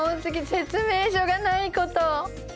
説明書がないこと。